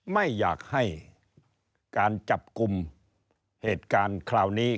ไม่อยากให้การจับกลุ่มเหตุการณ์คราวนี้